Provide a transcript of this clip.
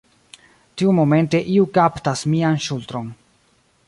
Tiumomente iu kaptas mian ŝultron.